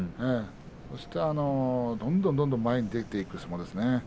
そして、どんどん前に出ていく相撲ですね。